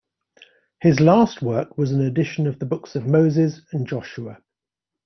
His last work was an edition of the books of Moses and Joshua.